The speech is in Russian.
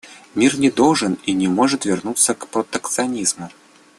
Мир не должен и не может вернуться к протекционизму.